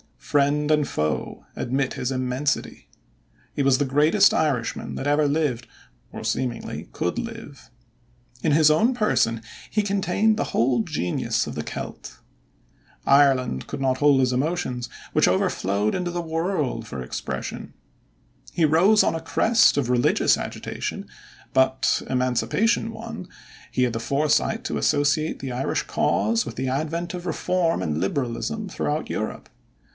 Friend and foe admit his immensity. He was the greatest Irishman that ever lived or seemingly could live. In his own person he contained the whole genius of the Celt. Ireland could not hold his emotions, which overflowed into the world for expression. He rose on the crest of a religious agitation, but, Emancipation won, he had the foresight to associate the Irish cause with the advent of Reform and Liberalism throughout Europe.